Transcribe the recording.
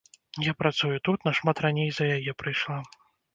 Я працую тут, нашмат раней за яе прыйшла.